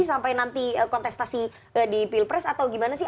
sampai nanti kontestasi di pilpres atau gimana sih